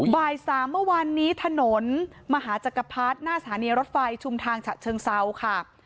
บ่าย๓เมื่อวานนี้ถนนมหาจักรพรรดิหน้าสถานีรถไฟชุมทางฉะเชิงเซาค่ะ